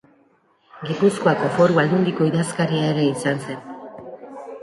Gipuzkoako Foru Aldundiko idazkaria ere izan zen.